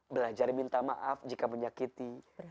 belajar minta maaf jika menyakiti